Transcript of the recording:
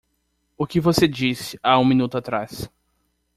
O que você disse há um minuto atrás?